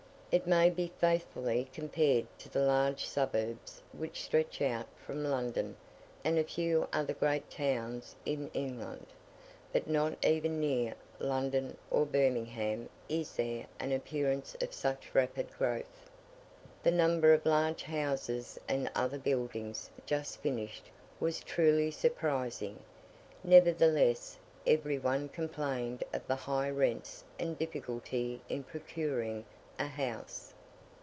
It may be faithfully compared to the large suburbs which stretch out from London and a few other great towns in England; but not even near London or Birmingham is there an appearance of such rapid growth. The number of large houses and other buildings just finished was truly surprising; nevertheless, every one complained of the high rents and difficulty in procuring a house.